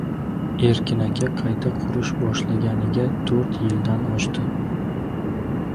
— Erkin aka, qayta qurish boshlanganiga to‘rt yildan oshdi.